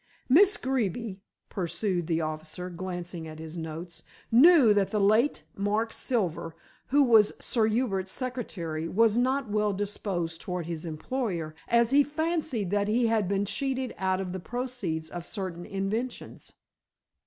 "Miss Greeby," pursued the officer, glancing at his notes, "knew that the late Mark Silver, who was Sir Hubert's secretary, was not well disposed toward his employer, as he fancied that he had been cheated out of the proceeds of certain inventions.